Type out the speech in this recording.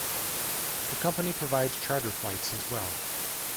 The company provides charter flights as well.